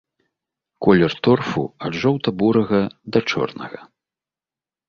Колер торфу ад жоўта-бурага да чорнага.